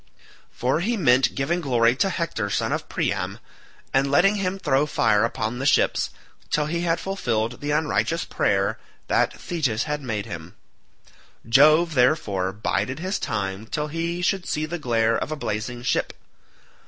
For he meant giving glory to Hector son of Priam, and letting him throw fire upon the ships, till he had fulfilled the unrighteous prayer that Thetis had made him; Jove, therefore, bided his time till he should see the glare of a blazing ship.